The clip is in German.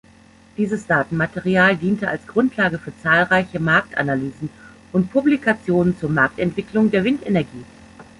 Dieses Datenmaterial diente als Grundlage für zahlreiche Marktanalysen und Publikationen zur Marktentwicklung der Windenergie.